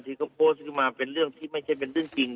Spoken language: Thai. ที่เขาโพสต์ขึ้นมาเป็นเรื่องที่ไม่ใช่เป็นเรื่องจริง